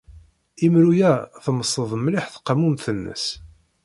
Imru-a temsed mliḥ tqamumt-nnes.